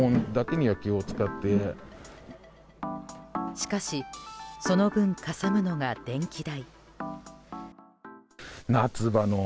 しかし、その分かさむのが電気代。